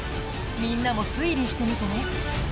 みんなも推理してみてね。